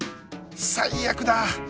最悪だ！